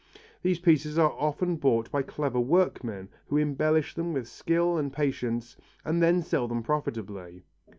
These pieces are often bought by clever workmen who embellish them with skill and patience, and then sell them profitably.